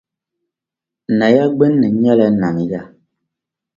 Naya gbinni nyɛla, “Nam ya”.